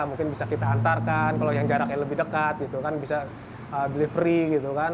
mungkin bisa kita antarkan kalau jaraknya lebih dekat bisa beli free